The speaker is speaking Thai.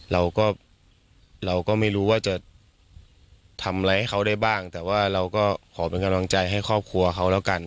เราก็เราก็ไม่รู้ว่าจะทำอะไรให้เขาได้บ้างแต่ว่าเราก็ขอเป็นกำลังใจให้ครอบครัวเขาแล้วกัน